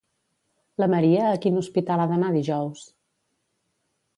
La Maria a quin hospital ha d'anar dijous?